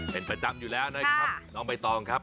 เป็นประจำอยู่แล้วนะครับน้องใบตองครับ